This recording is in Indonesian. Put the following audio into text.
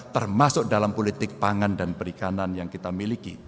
termasuk dalam politik pangan dan perikanan yang kita miliki